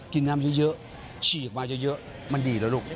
กินน้ำเยอะฉีกมาเยอะมันดีแล้วลูก